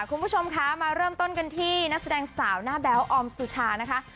คุณผู้ชมคะมาเริ่มต้นกันที่นักแสดงสาวหน้าแบ๊วออมสุชานะคะ